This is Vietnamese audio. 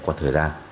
qua thời gian